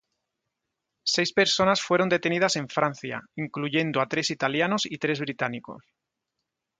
Seis personas fueron detenidas en Francia, incluyendo a tres italianos y tres británicos.